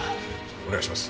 お願いします。